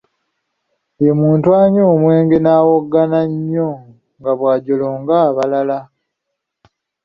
Ye muntu anywa omwenge n'awowoggana nnyo nga bwajolonga abalala.